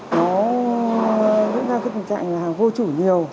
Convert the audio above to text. nó diễn ra cái tình trạng là vô chủ nhiều